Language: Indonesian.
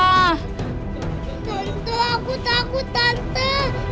aku takut aku takut tante